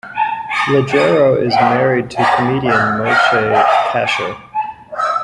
Leggero is married to comedian Moshe Kasher.